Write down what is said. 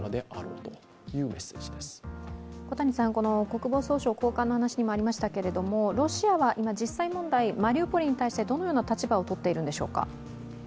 国防総省高官の話にもありましたけれども、ロシアは今、実際問題、マリウポリに対してどのような立場をとっているんでしょうか？